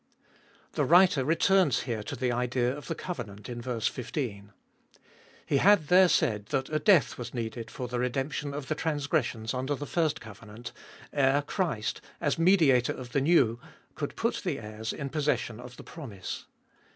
THE writer returns here to the idea of the covenant in ver. 15. He had there said that a death was needed for the redemption of the transgressions under the first covenant, ere Christ, as Mediator of the new, could put the heirs in possession of the promise.